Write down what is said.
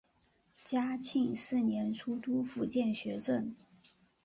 嘉庆四年出督福建学政。